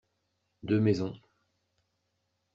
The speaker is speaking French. Deux maisons.